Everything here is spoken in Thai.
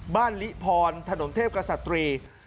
บ้านลิพรถนนเทพกสตรี